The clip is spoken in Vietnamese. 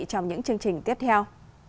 trong những chương trình tiếp theo